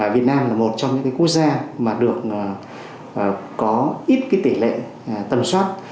việt nam là một trong những cái quốc gia mà được có ít cái tỷ lệ tầm soát